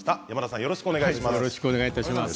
よろしくお願いします。